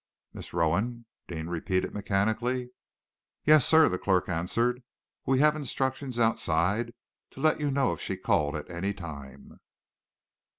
"Miss Rowan," Deane repeated mechanically. "Yes, sir!" the clerk answered. "We have instructions outside to let you know if she called at any time."